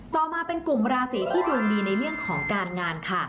ต่อมาเป็นกลุ่มราศีที่ดวงดีในเรื่องของการงานค่ะ